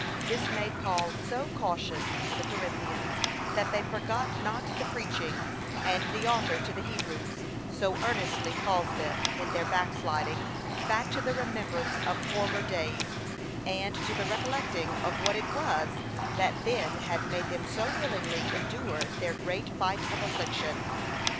This made Paul so caution the Corinthians, that they forgot not the preaching; and the author to the Hebrews, so earnestly calls them, in their back sliding, back to the remembrance of former days, and to the recollecting of what it was that then had made them so willingly endure their great fight of affliction.